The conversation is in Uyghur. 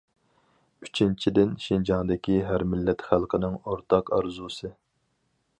ئۈچىنچىدىن، شىنجاڭدىكى ھەر مىللەت خەلقنىڭ ئورتاق ئارزۇسى.